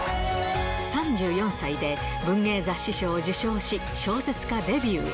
３４歳で文芸雑誌賞を受賞し、小説家デビュー。